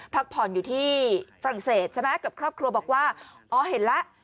พักผ่อนอยู่ที่ฝรั่งเศสใช่ไหมกับครอบครัวบอกว่าอ๋อเห็นแล้ว